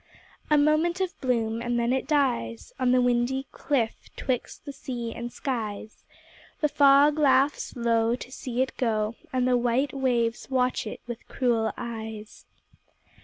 A moment of bloom, and then it dies On the windy cliff 'twixt the sea and skies. The fog laughs low to see it go, And the white waves watch it with cruel eyes.